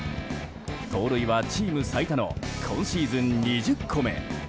盗塁はチーム最多の今シーズン２０個目。